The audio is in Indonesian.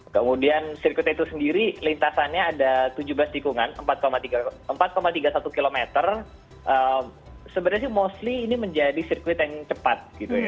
kemudian sirkuit itu sendiri lintasannya ada tujuh belas tikungan empat tiga puluh satu km sebenarnya sih mostly ini menjadi sirkuit yang cepat